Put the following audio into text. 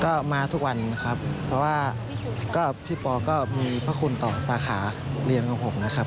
ก็มาทุกวันครับเพราะว่าก็พี่ปอก็มีพระคุณต่อสาขาเรียนของผมนะครับ